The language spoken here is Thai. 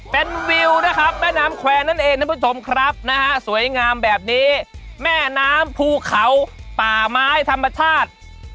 เป็นวิวนะครับแม่น้ำแควร์นั่นเองท่านผู้ชมครับนะฮะสวยงามแบบนี้แม่น้ำภูเขาป่าไม้ธรรมชาติ